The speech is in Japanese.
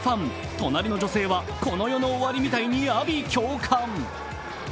隣の女性はこの世の終わりみたいに、阿鼻叫喚。